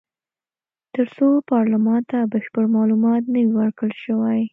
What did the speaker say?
تر څو پارلمان ته بشپړ معلومات نه وي ورکړل شوي.